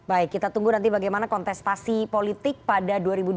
baik kita tunggu nanti bagaimana kontestasi politik pada dua ribu dua puluh